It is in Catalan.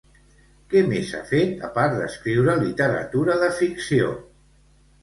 Què més ha fet a part d'escriure literatura de ficció?